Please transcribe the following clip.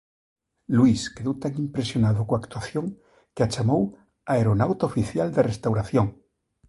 Luís quedou tan impresionado coa actuación que a chamou "Aeronauta Oficial da Restauración".